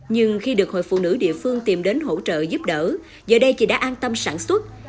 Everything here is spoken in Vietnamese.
nhưng khi được hội phụ nữ địa phương tìm đến hỗ trợ giúp đỡ giờ đây chị đã an tâm sản xuất